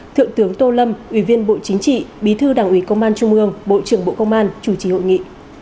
thượng tướng tô lâm ủy viên bộ chính trị bí thư đảng ủy công an trung ương bộ trưởng bộ công an chủ trì hội nghị